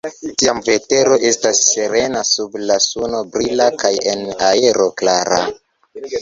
Tiam vetero estas serena sub la suno brila kaj en aero klara.